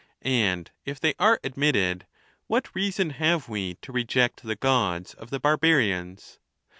And if they are admitted, what reason have we to reject the Gods of the barbarians?